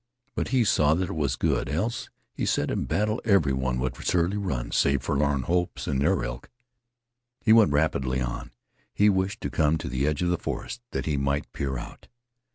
But he saw that it was good, else, he said, in battle every one would surely run save forlorn hopes and their ilk. He went rapidly on. He wished to come to the edge of the forest that he might peer out.